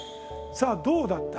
さあどうだった？